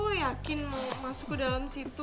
oh yakin mau masuk ke dalam situ